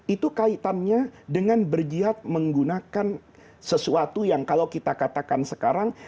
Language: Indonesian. itu kaitannya dengan berjihad menggunakan sesuatu yang kalau kita katakan sekarang